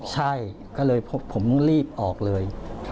ใช่ก็เลยผมต้องรีบออกเลย